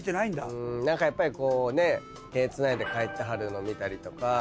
何かやっぱりこうね手つないで帰ってはるの見たりとか。